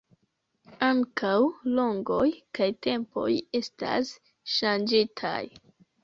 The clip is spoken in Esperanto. Ankaŭ longoj kaj tempoj estas ŝanĝitaj.